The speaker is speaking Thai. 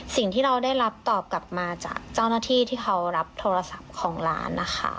สิ่งที่เราได้รับตอบกลับมาจากเจ้าหน้าที่ที่เขารับโทรศัพท์ของร้านนะคะ